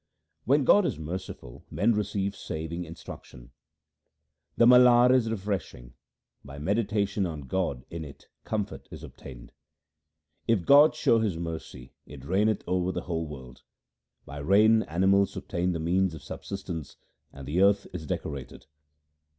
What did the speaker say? When God is merciful men receive saving in struction :— The Malar is refreshing ; by meditation on God in it comfort is obtained. If God show His mercy it raineth over the whole world. By rain animals obtain the means of subsistence, and the earth is decorated.